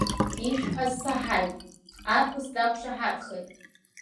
Ишәҳәаз саҳаит, арԥыс дақәшаҳаҭхеит.